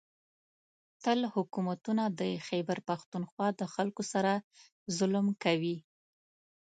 . تل حکومتونه د خېبر پښتونخوا د خلکو سره ظلم کوي